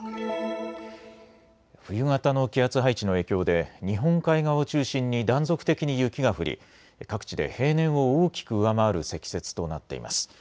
冬型の気圧配置の影響で日本海側を中心に断続的に雪が降り、各地で平年を大きく上回る積雪となっています。